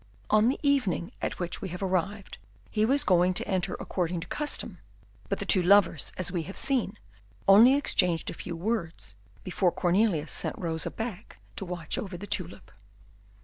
On the evening at which we have arrived he was going to enter according to custom; but the two lovers, as we have seen, only exchanged a few words before Cornelius sent Rosa back to watch over the tulip.